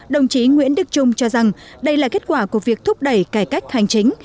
đồng chí nguyễn đức trung cho rằng đây là kết quả của việc thúc đẩy cải cách hành chính